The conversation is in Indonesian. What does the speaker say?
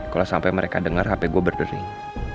kalau sampai mereka dengar hp gue berdering